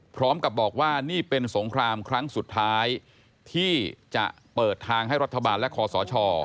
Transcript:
พร้อมกับบอกว่านี่เป็นสงครามครั้งสุดท้ายที่จะเปิดทางให้รัฐบาลและคอสช